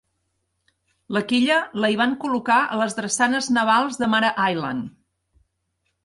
La quilla la hi van col·locar a les drassanes navals de Mare Island.